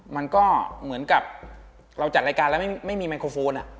มันก็เหมือนกับเราจัดรายการแล้วไม่มีไมโครโฟน